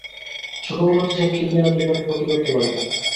সুখবর হচ্ছে, সে কিডনি আর লিভারের ক্ষতি করতে পারেনি।